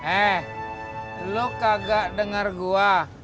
eh lu kagak denger gua